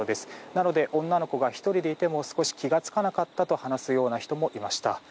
なので、女の子が１人でいても気が付かなかったと話すような人もいました。